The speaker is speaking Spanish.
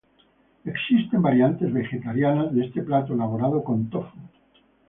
Existen variantes vegetarianas de este plato elaboradas con tofu.